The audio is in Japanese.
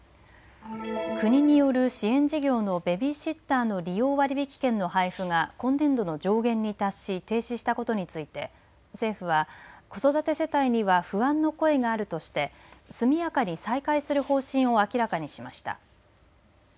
国による支援事業のベビーシッターの利用割引券の配付が今年度の上限に達し停止したことについて政府は子育て世帯には不安の声があるとして速やかに再開する方針を明らかにしました。